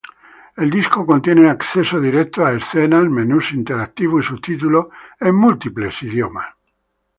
El disco contiene acceso directo a escenas, menús interactivos y subtítulos en múltiples idiomas.